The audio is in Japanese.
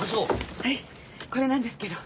はいこれなんですけど。